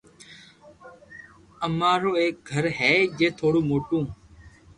امرا رو ايڪ گِر ھي جي ٿورو موٿو